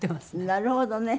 なるほどね。